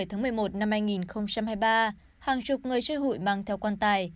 trưa một mươi tháng một mươi một năm hai nghìn hai mươi ba hàng chục người chơi hội mang theo quan tài